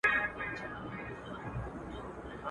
اوس د شپې نکلونه دي پېیلي په اغزیو.